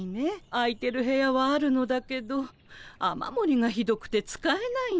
空いてる部屋はあるのだけど雨もりがひどくて使えないの。